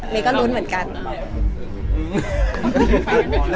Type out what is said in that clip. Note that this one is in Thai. เน้ก็ลูนเหมือนกัน